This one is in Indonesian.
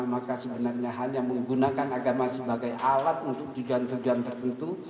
maka sebenarnya hanya menggunakan agama sebagai alat untuk tujuan tujuan tertentu